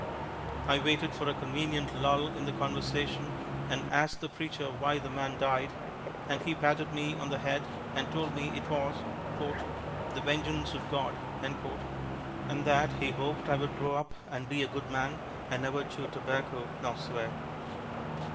I waited for a convenient lull in the conversation and asked the preacher why the man died, and he patted me on the head and told me it was "the vengeance of God," and that he hoped I would grow up and be a good man and never chew tobacco nor swear.